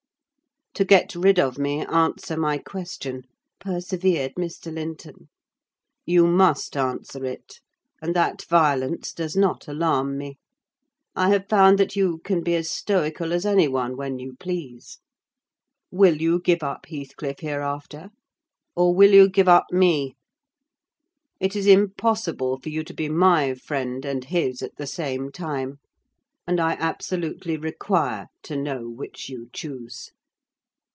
"To get rid of me, answer my question," persevered Mr. Linton. "You must answer it; and that violence does not alarm me. I have found that you can be as stoical as anyone, when you please. Will you give up Heathcliff hereafter, or will you give up me? It is impossible for you to be my friend and his at the same time; and I absolutely require to know which you choose."